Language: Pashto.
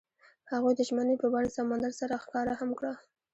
هغوی د ژمنې په بڼه سمندر سره ښکاره هم کړه.